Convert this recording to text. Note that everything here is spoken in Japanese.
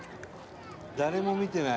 「誰も見てない。